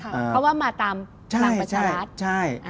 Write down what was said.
เพราะว่ามาตามพลังประชารัฐ